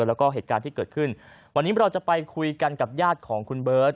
แล้วก็เหตุการณ์ที่เกิดขึ้นวันนี้เราจะไปคุยกันกับญาติของคุณเบิร์ต